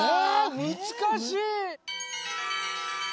むずかしい！